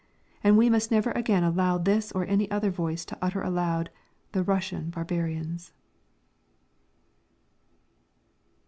And we must never again allow this or any other voice to utter aloud: "The Russian barbarians."